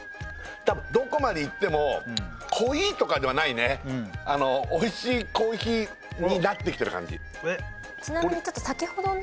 多分どこまでいっても濃いとかではないねおいしいコーヒーになってきてる感じハッハッハ